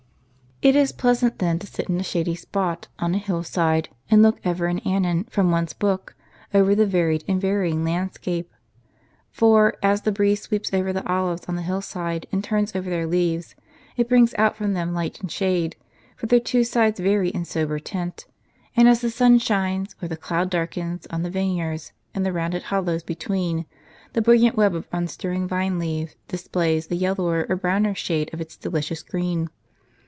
It is pleasant then to sit in a shady spot, on a hill side, and look ever and anon, from one's book, over the varied and varying landscape. For, as the breeze sweeps over the olives on the hill side, and turns over their leaves, it brings out from them light and shade, for their two sides vary in sober tint ; and as the sun shines, or the cloud darkens, on the vineyards, in the rounded hollow^s between, the brilliant w^eb of unstir ring vine leaves disj^lays a yellower or browner shade of its delicious green.